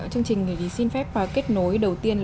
chương trình thì xin phép kết nối đầu tiên